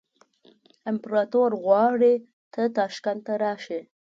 امپراطور غواړي ته تاشکند ته راشې.